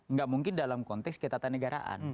nggak mungkin dalam konteks ketatanegaraan